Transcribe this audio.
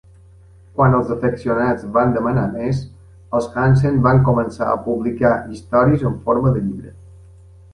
Quan els afeccionats van demanar més, els Hansen van començar a publicar històries en forma de llibre.